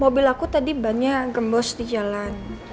mobil aku tadi banyak gembos di jalan